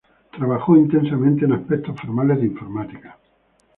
El trabajó intensamente en aspectos formales de informática.